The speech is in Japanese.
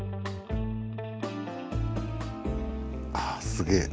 ああすげえ！